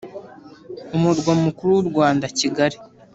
Umurwa Mukuru w u Rwanda Kigali